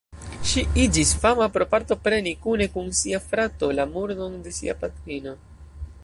Ŝi iĝis fama pro partopreni, kune kun sia frato, la murdon de sia patrino.